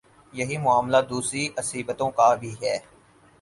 یہی معاملہ دوسری عصبیتوں کا بھی ہے۔